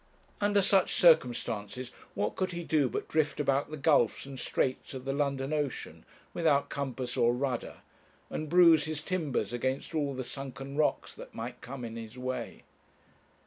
Under such circumstances what could he do but drift about the gulfs and straits of the London ocean without compass or rudder, and bruise his timbers against all the sunken rocks that might come in his way?